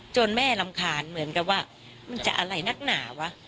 แม่รำคาญเหมือนกับว่ามันจะอะไรนักหนาวะ